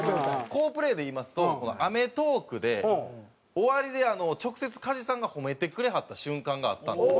好プレーでいいますと『アメトーーク』で終わりで直接加地さんが褒めてくれはった瞬間があったんですよ。